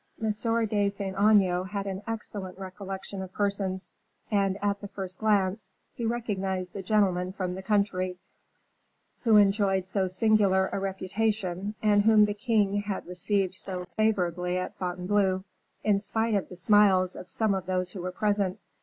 M. de Saint Aignan had an excellent recollection of persons, and, at the first glance, he recognized the gentleman from the country, who enjoyed so singular a reputation, and whom the king had received so favorably at Fontainebleau, in spite of the smiles of some of those who were present.